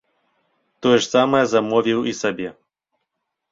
Тое ж самае замовіў і сабе.